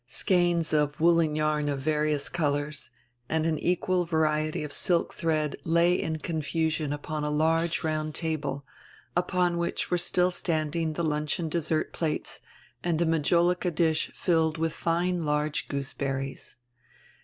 Skeins of woolen yarn of various colors, and an equal variety of silk diread lay in confusion upon a large round table, upon wiiich w r ere still standing die luncheon dessert plates and a majolica dish filled with fine large goose berries.